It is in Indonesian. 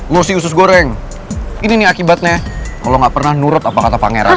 lo sih usus goreng ini nih akibatnya kalo lo gak pernah nurut apa kata pangeran